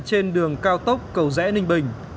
trên đường cao tốc cầu rẽ ninh bình